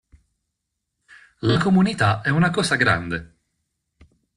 La Comunità è una cosa grande.